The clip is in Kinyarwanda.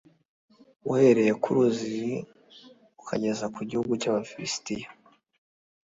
uhereye kuri rwa ruzi ukageza ku gihugu cy’Abafilisitiya